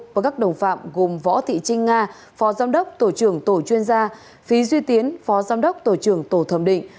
và các đồng phạm gồm võ thị trinh nga phó giám đốc tổ trưởng tổ chuyên gia phí duy tiến phó giám đốc tổ trưởng tổ thẩm định